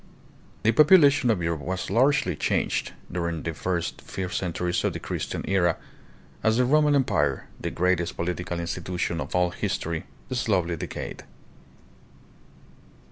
The population of Europe was largely changed, during the first few centuries of the Christian Era, as the Roman Empire, that greatest political institution of all history, slowly decayed.